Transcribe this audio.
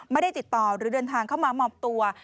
ไม่ได้ติดต่อหรือเดินทางเข้ามามอบตัว